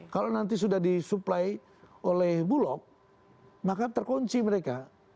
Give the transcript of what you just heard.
kalau sudah disupply oleh bulog maka terkunci mereka